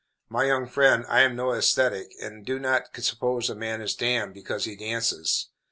My young friend, I am no ascetic, and do not suppose a man is damned because he dances.